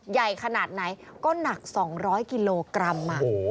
ใหญ่ขนาดไหนก็หนัก๒๐๐กิโลกรัม